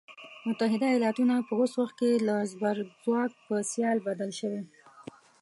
متحده ایالتونه په اوس وخت کې له زبرځواک په سیال بدل شوی.